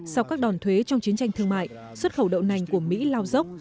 sau các đòn thuế trong chiến tranh thương mại xuất khẩu đậu nành của mỹ lao dốc